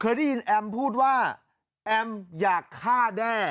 ได้ยินแอมพูดว่าแอมอยากฆ่าแด้